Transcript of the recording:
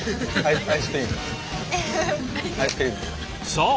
そう！